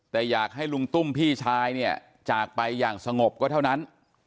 แต่อยากให้ลุงตุ้มพี่ชายเนี่ยจากไปอย่างสงบก็เท่านั้น